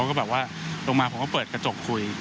ก็แบบว่าลงมาผมก็เปิดกระจกคุย